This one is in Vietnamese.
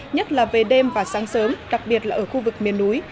nhất là về đêm và sáng sớm đặc biệt là ở khu vực miền núi